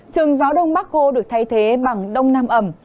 trường gió đông bắc khô được thay thế bằng đông nam ẩm